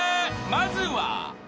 ［まずは］